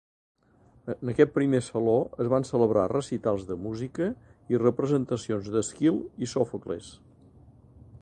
En aquest primer Saló es van celebrar recitals de música i representacions d'Èsquil i Sòfocles.